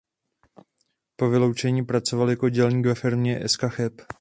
Po vyučení pracoval jako dělník ve firmě Eska Cheb.